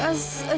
dia pasti menang